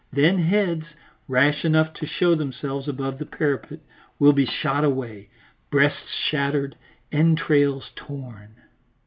Then heads, rash enough to show themselves above the parapet, will be shot away, breasts shattered, entrails torn.